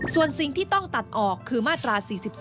ส่วนสิ่งที่ต้องตัดออกคือมาตรา๔๔